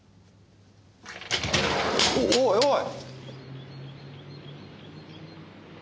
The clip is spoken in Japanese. おいおい！